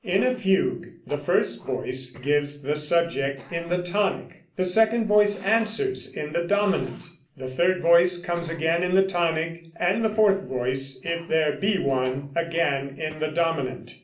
In a fugue the first voice gives the subject in the tonic, the second voice answers in the dominant, the third voice comes again in the tonic, and the fourth voice, if there be one, again in the dominant.